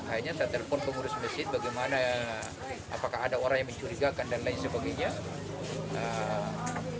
akhirnya saya telepon pengurus masjid bagaimana apakah ada orang yang mencurigakan dan lain sebagainya